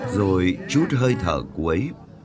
rồi chút hơi thở quấy